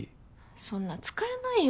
そんな使えないよ